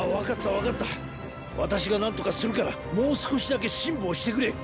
私が何とかするからもう少しだけ辛抱してくれ。